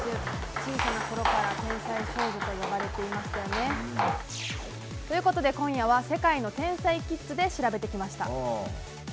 小さなころから天才少女と呼ばれていましたよね。ということで今夜は、世界の天才キッズで調べてきました。